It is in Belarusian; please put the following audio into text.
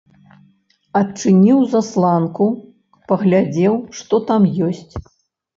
Адчыніў засланку, паглядзеў, што там ёсць.